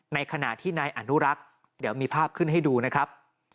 ในขณะที่นายอนุรักษ์เดี๋ยวมีภาพขึ้นให้ดูนะครับ